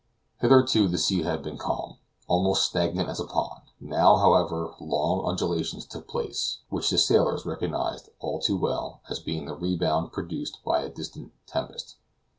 Hitherto, the sea had been calm, almost stagnant as a pond. Now, however, long undulations took place, which the sailors recognized, all too well, as being the rebound produced by a distant tempest.